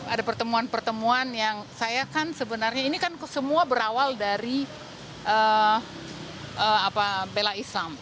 ada pertemuan pertemuan yang saya kan sebenarnya ini kan semua berawal dari bela islam